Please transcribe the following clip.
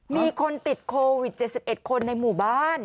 มีคนติดโควิด๗๑คนในหมู่บ้าน